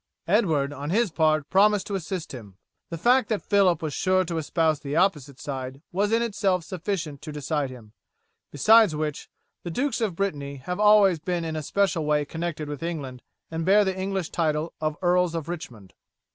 Edward, on his part, promised to assist him. The fact that Phillip was sure to espouse the opposite side was in itself sufficient to decide him; besides which, the dukes of Brittany have always been in a special way connected with England and bear the English title of Earls of Richmond.